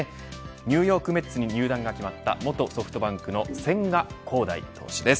ニューヨーク・メッツに入団が決まった元ソフトバンクの千賀滉大投手です。